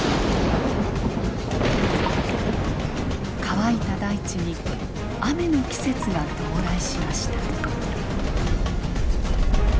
乾いた大地に雨の季節が到来しました。